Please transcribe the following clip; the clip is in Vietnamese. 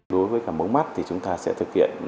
đối với cả mống mắt thì chúng ta sẽ thực hiện